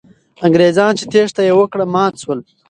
انګریزان چې تېښته یې وکړه، مات سول.